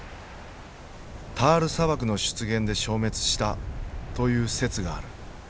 タール砂漠の出現で消滅したという説がある。